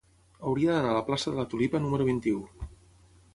Hauria d'anar a la plaça de la Tulipa número vint-i-u.